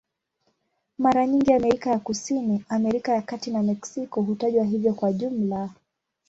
Mara nyingi Amerika ya Kusini, Amerika ya Kati na Meksiko hutajwa hivyo kwa jumla.